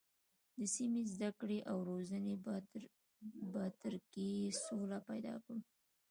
د سمې زده کړې او روزنې په تر کې سوله پیدا کړو.